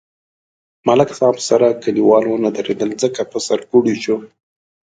ملک صاحب سره کلیوال و نه درېدل ځکه په سر کوړئ شو.